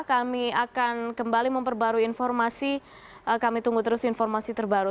kami akan kembali memperbarui informasi kami tunggu terus informasi terbaru